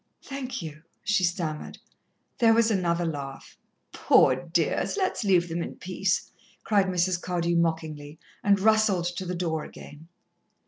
"Thank you," she stammered. There was another laugh. "Poor dears! Let's leave them in peace," cried Mrs. Cardew mockingly, and rustled to the door again.